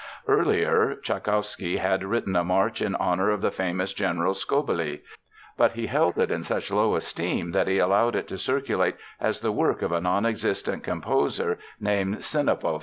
Earlier, Tschaikowsky had written a march in honor of the famous General Skobelev. But he held it in such low esteem that he allowed it to circulate as the work of a non existent composer named Sinopov.